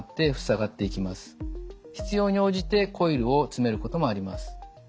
必要に応じてコイルを詰めることもあります。